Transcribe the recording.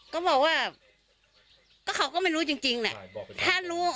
ก็บอกว่าเขาก็ไม่รู้จริงแหละ